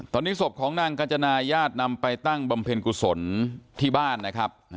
ตอนนี้ศพของนางกาญจนาญาตินำไปตั้งบำเพ็ญกุศลที่บ้านนะครับ